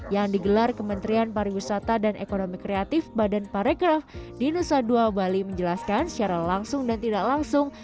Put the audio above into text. yang digelar kementerian pariwisata dan ekonomi kreatif badan parekraf di nusa dua bali menjelaskan secara langsung dan tidak langsung